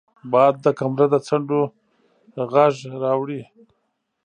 باد د کمره د څنډو غږ راوړي